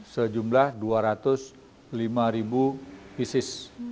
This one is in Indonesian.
sejumlah dua ratus lima bisis